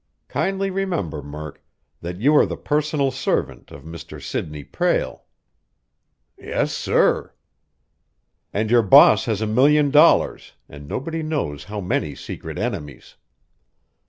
Kindly remember, Murk, that you are the personal servant of Mr. Sidney Prale." "Yes, sir." "And your boss has a million dollars and nobody knows how many secret enemies.